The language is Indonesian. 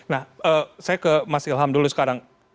nah saya ke mas ilham dulu sekarang